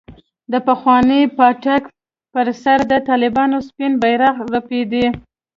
د پخواني پاټک پر سر د طالبانو سپين بيرغ رپېده.